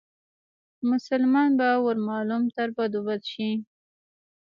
مسلمان به ور معلوم تر بدو بد شي